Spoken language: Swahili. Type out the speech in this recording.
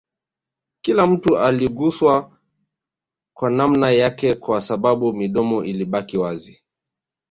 Kila mtu aliguswa kwa namna yake Kwa sababu midomo ilibaki wazi